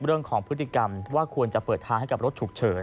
เรื่องของพฤติกรรมว่าควรจะเปิดทางให้กับรถฉุกเฉิน